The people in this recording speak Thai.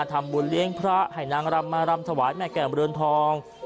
ทำบุญเลี้ยงพระให้นางรำมารำถวายแม่แก่มเรือนทอง